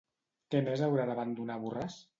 Què més haurà d'abandonar Borràs?